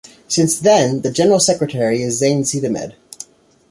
Since then, the General Secretary is Zain Sidahmed.